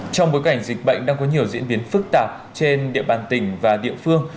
trong bối cảnh dịch bệnh đang có nhiều diễn biến phức tạp trên địa bàn tỉnh và địa phương